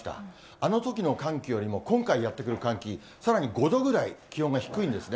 あのときの寒気よりも、今回やって来る寒気、さらに５度ぐらい気温が低いんですね。